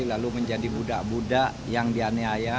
lalu menjadi budak budak yang dianiaya